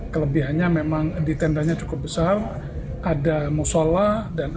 kelebihannya memang di tendanya cukup besar ada musola